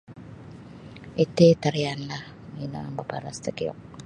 Iti tarian lah mimang maparas takiuk.